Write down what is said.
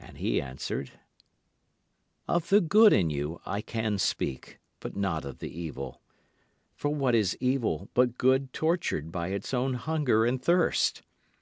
And he answered: Of the good in you I can speak, but not of the evil. For what is evil but good tortured by its own hunger and thirst?